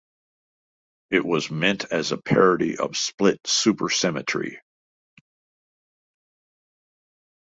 It was meant as a parody of Split Supersymmetry.